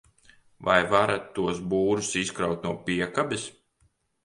Vai varat tos būrus izkraut no piekabes?